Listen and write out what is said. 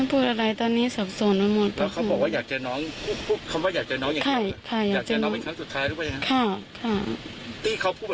เอ่ยใจว่าไงครับผม